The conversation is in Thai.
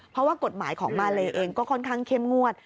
เพราะว่ากฎหมายของมาเลเองก็ค่อนข้างเข้มงวด